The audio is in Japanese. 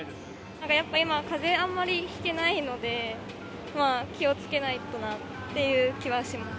なんかやっぱり今、かぜあんまりひけないので、まあ、気をつけないとなっていう気はします。